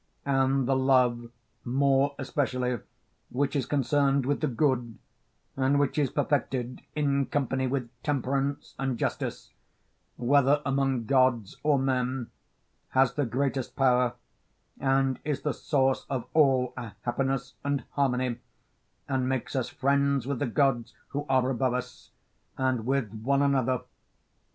And the love, more especially, which is concerned with the good, and which is perfected in company with temperance and justice, whether among gods or men, has the greatest power, and is the source of all our happiness and harmony, and makes us friends with the gods who are above us, and with one another.